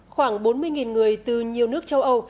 khoảng bốn mươi người từ nhiều nước châu âu